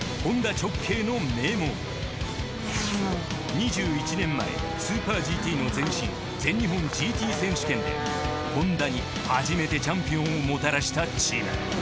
２１年前スーパーＧＴの前身全日本ＧＴ選手権でホンダに初めてチャンピオンをもたらしたチーム。